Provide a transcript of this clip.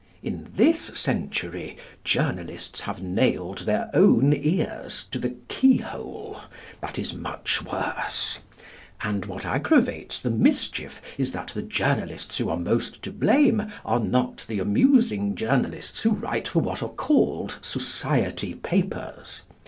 In this century journalists have nailed their own ears to the keyhole. That is much worse. And what aggravates the mischief is that the journalists who are most to blame are not the amusing journalists who write for what are called Society papers.